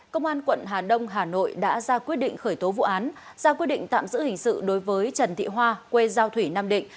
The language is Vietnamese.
công an quận hà đông hà nội đã ra quyết định khởi tố vụ án ra quyết định tạm giữ hình sự đối với trần thị hoa quê giao thủy nam định